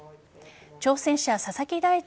挑戦者・佐々木大地